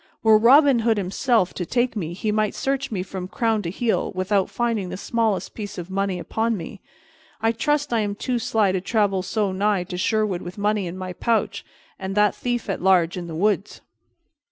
Were Robin Hood himself to take me, he might search me from crown to heel without finding the smallest piece of money upon me. I trust I am too sly to travel so nigh to Sherwood with money in my pouch, and that thief at large in the woods."